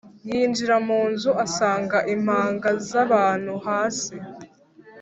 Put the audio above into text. yinjira mu nzu, asanga impanga z' abantu hasi